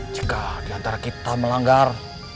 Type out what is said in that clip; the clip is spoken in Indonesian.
jika diantara kita melanggar